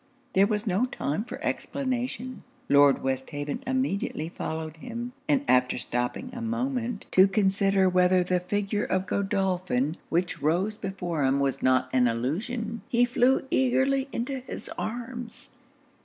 There was no time for explanation. Lord Westhaven immediately followed him; and after stopping a moment to consider whether the figure of Godolphin which rose before him was not an illusion, he flew eagerly into his arms.